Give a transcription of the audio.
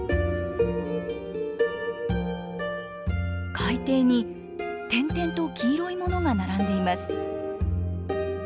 海底に点々と黄色いものが並んでいます。